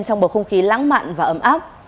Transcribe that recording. trong một không khí lãng mạn và ấm áp